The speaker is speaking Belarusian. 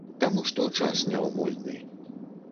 Таму што час няўмольны.